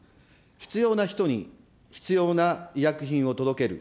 必要な人に必要な医薬品を届ける。